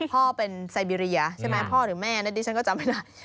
พ่อเป็นไซเบีเรียใช่ไหมพ่อหรือแม่นะดิฉันก็จำไม่ได้